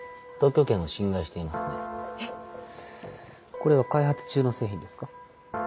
これは開発中の製品ですか？